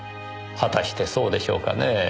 果たしてそうでしょうかねえ。